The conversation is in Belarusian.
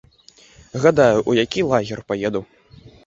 Гадаю, у які лагер паеду.